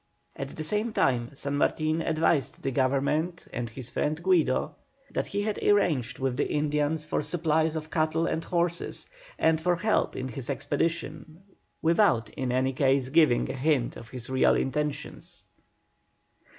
At the same time San Martin advised the Government and his friend Guido that he had arranged with the Indians for supplies of cattle and horses, and for help in his expedition, without in any case giving a hint of his real intentions.